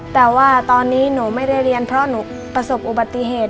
แต่ว่าตอนนี้หนูไม่ได้เรียนเพราะหนูประสบอุบัติเหตุ